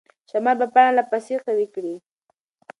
شمال به پاڼه لا پسې قوي کړي.